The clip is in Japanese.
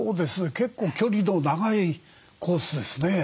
結構距離の長いコースですね。